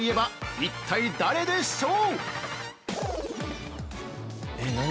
◆さあ誰でしょう。